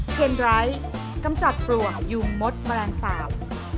เช่นไรกำจัดปล่วยยุมมสมรรณสาป